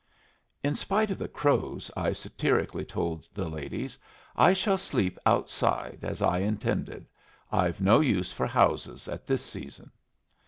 "In spite of the Crows," I satirically told the ladies, "I shall sleep outside, as I intended. I've no use for houses at this season."